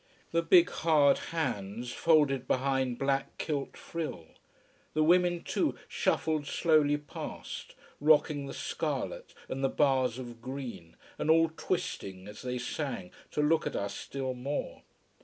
The big, hard hands, folded behind black kilt frill! The women, too, shuffled slowly past, rocking the scarlet and the bars of green, and all twisting as they sang, to look at us still more.